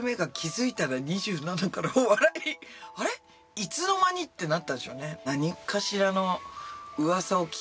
いつの間に？ってなったんでしょうね。